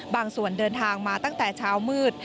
ส่วนเดินทางมาตั้งแต่เช้ามืด